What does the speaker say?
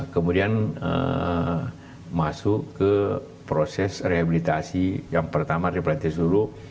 kemudian masuk ke proses rehabilitasi yang pertama replantis dulu